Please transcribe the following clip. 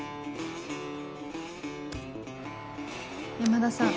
山田さん